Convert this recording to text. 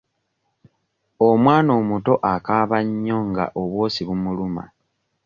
Omwana omuto akaaba nnyo nga obwosi bumuluma.